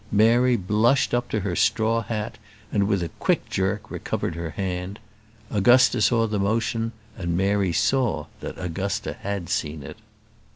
Mary blushed up to her straw hat, and, with a quick jerk, recovered her hand. Augusta saw the motion, and Mary saw that Augusta had seen it.